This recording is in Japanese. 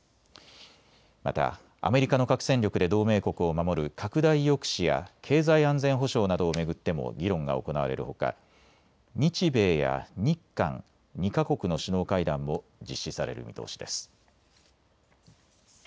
またアメリカの核戦力で同盟国を守る拡大抑止や経済安全保障などを巡っても議論が行われるほか日米や日韓２か国の首脳会談も実施される見通しです。